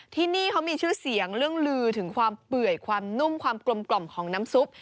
ที่นี่เขามีชื่อเสียงเรื่องลือถึงความเปื่อยความนุ่มความกลมของน้ำซุป